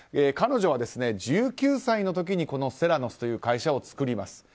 彼女は１９歳の時にセラノスという会社を作ります。